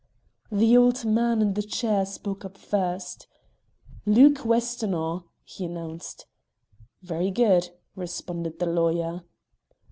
The old man in the chair spoke up first. "Luke Westonhaugh," he announced. "Very good!" responded the lawyer.